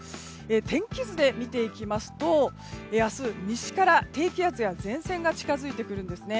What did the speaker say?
天気図で見ていきますと明日、西から低気圧や前線が近づいてきます。